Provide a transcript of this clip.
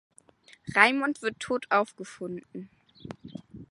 Raymond wird tot aufgefunden.